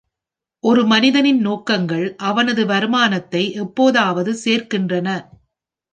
ஒரு மனிதனின் நோக்கங்கள் அவனது வருமானத்தை எப்போதாவது சேர்க்கின்றன.